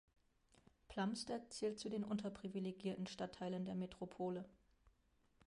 Plumstead zählt zu den unterprivilegierten Stadtteilen der Metropole.